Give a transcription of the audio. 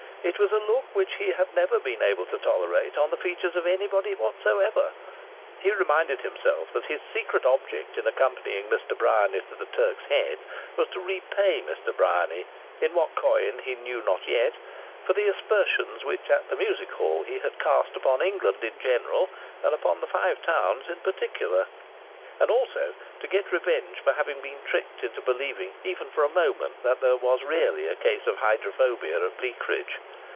It was a look which he had never been able to tolerate on the features of anybody whatsoever. He reminded himself that his secret object in accompanying Mr. Bryany to the Turk's Head was to repay Mr. Bryany in what coin he knew not yet for the aspersions which at the music hall he had cast upon England in general and upon the Five Towns in particular, and also to get revenge for having been tricked into believing, even for a moment, that there was really a case of hydrophobia at Bleakridge.